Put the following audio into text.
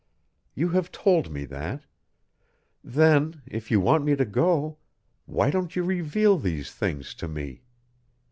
You have told me that. Then if you want me to go why don't you reveal these things to me?